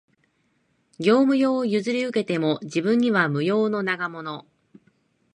業務用を譲り受けても、自分には無用の長物